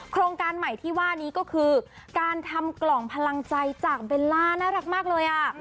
โครงการใหม่ที่ว่านี้ก็คือการทำกล่องพลังใจจากเบลล่าน่ารักมากเลยอ่ะ